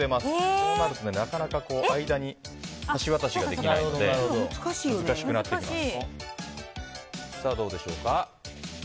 そうなるとなかなか間に橋渡しができないので難しくなってきます。